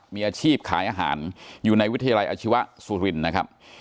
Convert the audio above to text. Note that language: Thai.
มีอาชีพขายอาหารอยู่ในวิทยาลัยอาชีวะสุรินทร์นะครับ